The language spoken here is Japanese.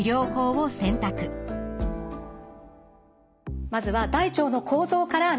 まずは大腸の構造から見ていきます。